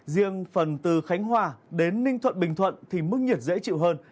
riêng phần từ khánh hòa đến ninh thuận bình thuận thì mức nhiệt dễ chịu hơn